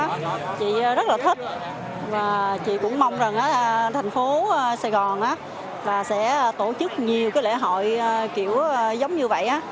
chị rất là thích và chị cũng mong rằng thành phố saigon sẽ tổ chức nhiều lễ hội kiểu giống như vậy